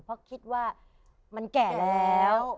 เพราะคิดว่ามันแก่แล้ว